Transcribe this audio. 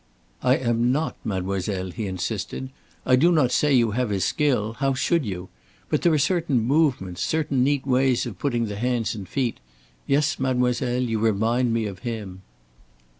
"I am not, mademoiselle," he insisted. "I do not say you have his skill how should you? But there are certain movements, certain neat ways of putting the hands and feet. Yes, mademoiselle, you remind me of him."